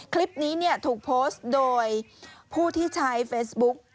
คลิปนี้ถูกโพสต์โดยผู้ที่ใช้เฟซบุ๊ก